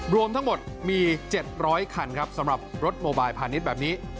รวมทั้งหมดมี๗๐๐คันครับสำหรับรถโมบายพาณิชย์แบบนี้